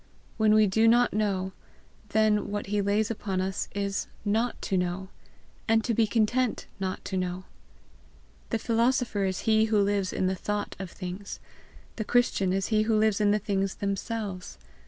When we do not know, then what he lays upon us is NOT TO KNOW, and to be content not to know. The philosopher is he who lives in the thought of things, the Christian is he who lives in the things themselves.